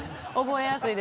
覚えやすい。